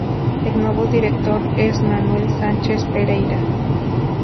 El nuevo director es Manuel Sánchez Pereira.